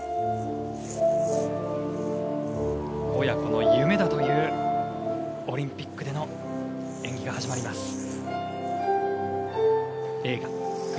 親子の夢だというオリンピックでの演技が始まります。